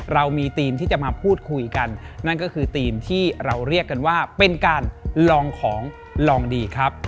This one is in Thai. เรามีธีมที่จะมาพูดคุยกันนั่นก็คือธีมที่เราเรียกกันว่าเป็นการลองของลองดีครับ